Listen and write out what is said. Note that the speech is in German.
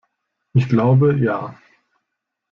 Ich glaube, ja.